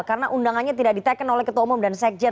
karena undangannya tidak diteken oleh ketua umum dan sekjen